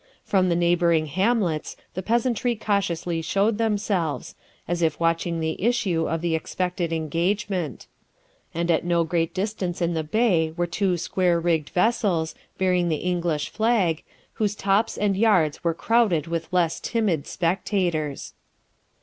From the neighbouring hamlets the peasantry cautiously showed themselves, as if watching the issue of the expected engagement; and at no great distance in the bay were two square rigged vessels, bearing the English flag, whose tops and yards were crowded with less timid spectators.